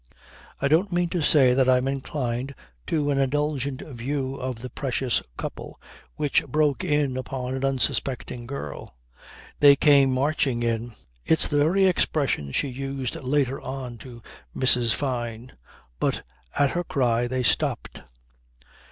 I don't mean to say that I am inclined to an indulgent view of the precious couple which broke in upon an unsuspecting girl. They came marching in (it's the very expression she used later on to Mrs. Fyne) but at her cry they stopped.